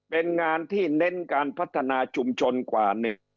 เป็นงานที่เน้นการพัฒนาชุมชนกว่าหนึ่ง